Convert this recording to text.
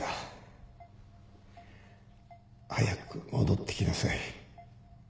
早く戻ってきなさい